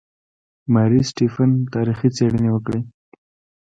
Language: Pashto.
ماري سټیفن تاریخي څېړنې وکړې.